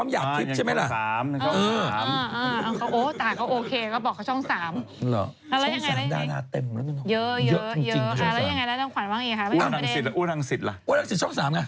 อุทังศิษย์ล่ะอุทังศิษย์ช่อง๓ไง